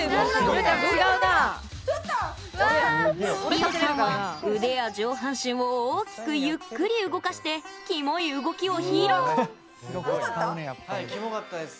リオさんは、腕や上半身を大きく、ゆっくり動かしてキモい動きを披露。